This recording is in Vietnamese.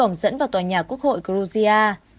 đó là một cổng dẫn vào tòa nhà quốc hội georgia